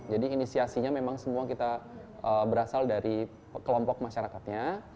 jadi inisiasinya memang semua kita berasal dari kelompok masyarakatnya